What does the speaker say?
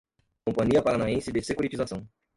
Companhia Paranaense de Securitização